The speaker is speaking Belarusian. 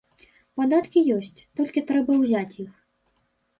Падаткі ёсць, толькі трэба ўзяць іх.